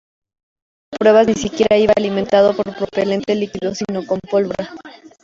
El cohete de pruebas ni siquiera iba alimentado con propelente líquido, sino con pólvora.